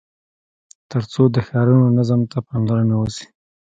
تر څو د ښارونو نظم ته پاملرنه وسي.